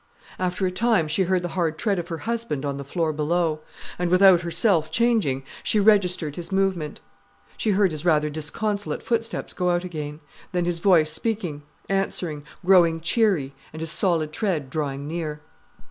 After a time she heard the hard tread of her husband on the floor below, and, without herself changing, she registered his movement. She heard his rather disconsolate footsteps go out again, then his voice speaking, answering, growing cheery, and his solid tread drawing near.